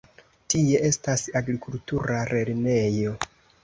Tie estas agrikultura lernejo.